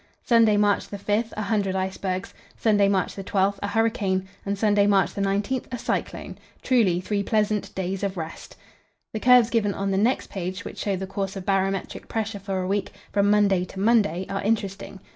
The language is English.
Sunday, March 5, a hundred icebergs; Sunday March 12, a hurricane; and Sunday, March 19, a cyclone: truly three pleasant "days of rest." The curves given on the next page, which show the course of barometric pressure for a week, from Monday to Monday, are interesting.